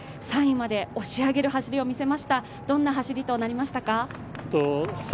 ３位まで押し上げる走りを見せました、どんな走りとなりましたか？